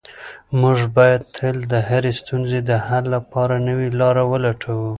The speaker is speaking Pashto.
موږ باید تل د هرې ستونزې د حل لپاره نوې لاره ولټوو.